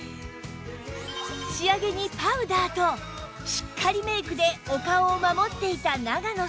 仕上げにパウダーとしっかりメイクでお顔を守っていた長野さん